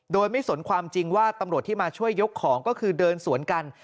โดยไม่สนความจริงว่าตำรวจที่มาช่วยยกของก็คือเดินสวนกัน